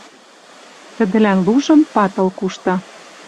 Тӹдӹлӓн лужым патыл кушта.